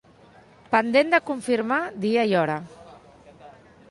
Pendent de confirmar dia i hora.